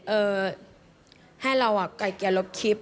เอ่อให้เราแก่เกียรติลบคลิป